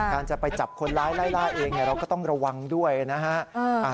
การจะไปจับคนร้ายไล่ล่าเองเราก็ต้องระวังด้วยนะฮะ